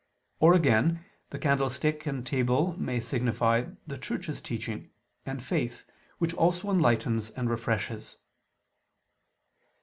Or again, the candlestick and table may signify the Church's teaching, and faith, which also enlightens and refreshes.